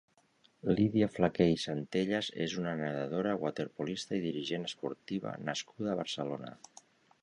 Lidia Flaqué i Centellas és una nedadora, waterpolista i dirigent esportiva nascuda a Barcelona.